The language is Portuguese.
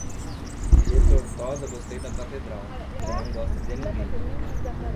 De Tortosa gostei da catedral, que não gosta de ninguém!